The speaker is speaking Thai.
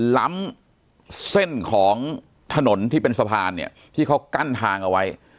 ล้ำเส้นของถนนที่เป็นสะพานเนี่ยที่เขากั้นทางเอาไว้